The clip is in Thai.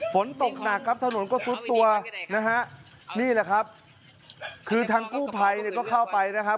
ฝนตกหนักครับถนนก็ซุดตัวนะฮะนี่แหละครับคือทางกู้ภัยเนี่ยก็เข้าไปนะครับ